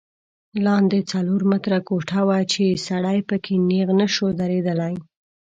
لاندې څلور متره کوټه وه چې سړی په کې نیغ نه شو درېدلی.